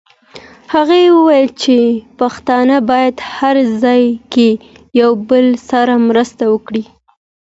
هغې وویل چې پښتانه باید هر ځای کې یو بل سره مرسته وکړي.